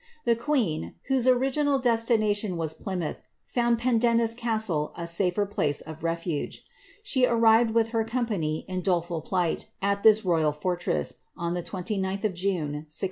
The queen, whose original destination was 'lymouth, found Pendennis castle a safer place of refuge. She arrived rith her company, in doleful plight, at this royal fortress, on the 29lh if June, 1644.